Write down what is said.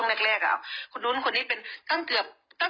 คนนู้นคนนี้เป็นตั้งเกือบ๖๗๐๐คนนะทั้งนู่นบ้านหมู่บ้านนี่หมู่บ้านนี่มาหมดเลย